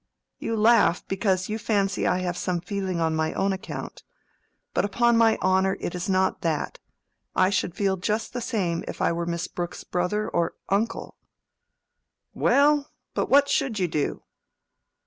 You laugh, because you fancy I have some feeling on my own account. But upon my honor, it is not that. I should feel just the same if I were Miss Brooke's brother or uncle." "Well, but what should you do?"